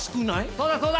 そうだそうだ！